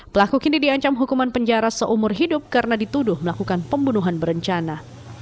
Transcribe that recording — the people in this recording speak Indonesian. pelaku kini diancam hukuman penjara seumur hidup karena dituduh melakukan pembunuhan berencana